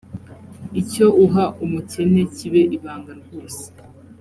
icyo uha umukene kibe ibanga rwose